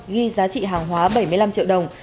ghi giá trị hàng hóa bảy mươi năm triệu đồng